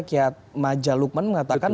kiat majalukman mengatakan